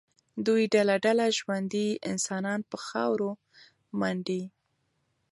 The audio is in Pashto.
دوی ډله ډله ژوندي انسانان په خاورو منډي.